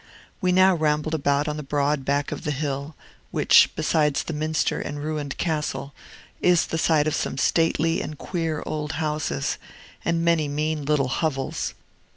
We now rambled about on the broad back of the hill, which, besides the Minster and ruined castle, is the site of some stately and queer old houses, and of many mean little hovels.